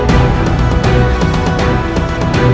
dia mengamalkan paman palang